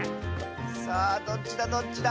さあどっちだどっちだ